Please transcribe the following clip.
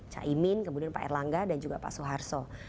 cak imin kemudian pak erlangga dan juga pak soeharto